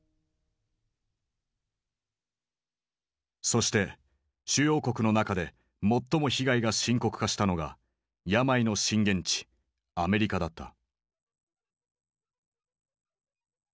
そして主要国の中で最も被害が深刻化したのが病の震源地アメリカだった。